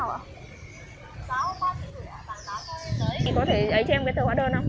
có thể ấy cho em cái tờ hóa đơn không